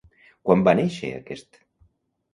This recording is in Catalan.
Quan va néixer aquest?